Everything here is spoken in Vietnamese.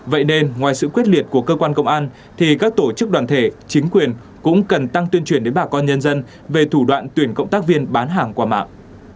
vậy nên ngoài sự quyết liệt của cơ quan công an thì các tổ chức đoàn thể chính quyền cũng cần tăng tuyên truyền đến bà con nhân dân về thủ đoạn tuyển cộng tác viên bán hàng qua mạng